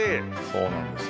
そうなんですよ。